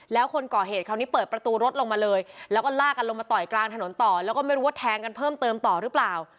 แล้วคนก่อเหตุคราวนี้เปิดประตูรถลงมาเลยแล้วก็ลากกันลงมาต่อยกลางถนนต่อแล้วก็ไม่รู้ว่าแทงกันเพิ่มเติมต่อหรือเปล่า